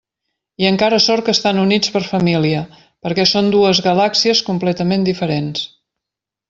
I encara sort que estan units per família, perquè són dues galàxies completament diferents.